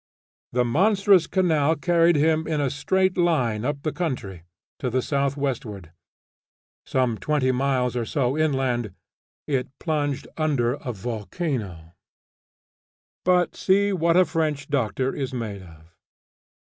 The monstrous canal carried him in a straight line up the country, to the south westward. Some twenty miles or so inland it plunged under a volcano! But see what a French doctor is made of!